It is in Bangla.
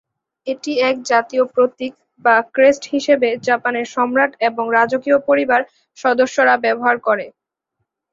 এটি এক জাতীয় প্রতীক বা ক্রেস্ট হিসেবে জাপানের সম্রাট এবং রাজকীয় পরিবার সদস্যরা ব্যবহার করে।